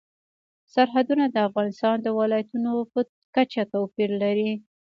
سرحدونه د افغانستان د ولایاتو په کچه توپیر لري.